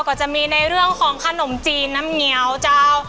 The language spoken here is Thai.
ก็จะมีในเรื่องของขนมจีนน้ำเงี้ยวเจ้า